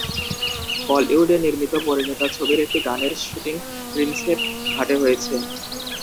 বলিউডে নির্মিত পরিণীতা ছবির একটি গানের শ্যুটিং প্রিন্সেপ ঘাটে হয়েছে।